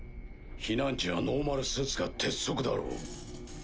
避難時はノーマルスーツが鉄則だろう。